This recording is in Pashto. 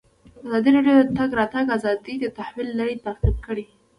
ازادي راډیو د د تګ راتګ ازادي د تحول لړۍ تعقیب کړې.